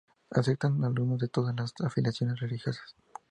Aceptan alumnos de todas las afiliaciones religiosas.